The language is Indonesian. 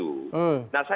saya cuma mau mengatakan